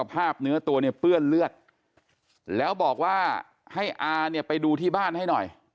ภาพเนื้อตัวเนี่ยเปื้อนเลือดแล้วบอกว่าให้อาเนี่ยไปดูที่บ้านให้หน่อย